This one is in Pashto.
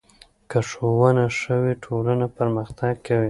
که ښوونه ښه وي، ټولنه پرمختګ کوي.